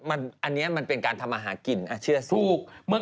อันนี้มันเป็นการทำอาหารกินเชื่อถูก